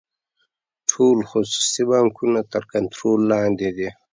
ټول خصوصي بانکونه تر کنټرول لاندې دي.